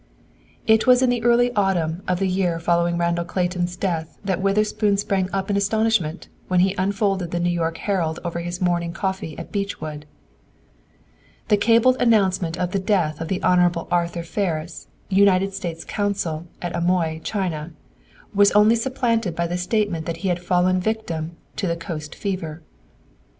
It was in the early autumn of the year following Randall Clayton's death that Witherspoon sprang up in astonishment, when he unfolded the New York Herald over his morning coffee at Beechwood. The cabled announcement of the death of the Honorable Arthur Ferris, United States Consul at Amoy, China, was only supplemented by the statement that he had fallen a victim of the coast fever.